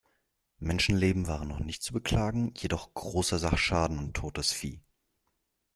Menschenleben waren nicht zu beklagen, jedoch großer Sachschaden und totes Vieh.